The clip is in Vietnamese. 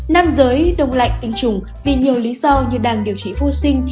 nam giới đông lạnh tinh trùng vì nhiều lý do như đang điều trị vô sinh